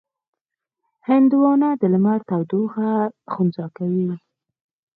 هندوانه د لمر تودوخه خنثی کوي.